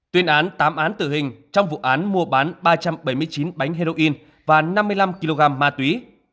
tuyên án tám án tử hình trong vụ án mua bán ba trăm bảy mươi chín bánh heroin và năm mươi năm kg ma túy